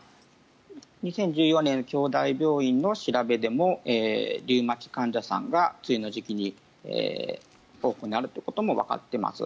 ２０１４年、京大病院の調べでもリウマチ患者さんが梅雨の時期に多くなるということもわかってます。